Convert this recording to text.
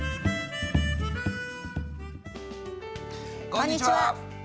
こんにちは。